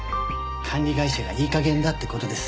管理会社がいい加減だって事です。